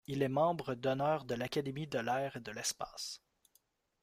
Il est membre d'honneur de l'Académie de l'air et de l'espace.